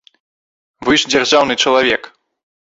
Вы ж дзяржаўны чалавек.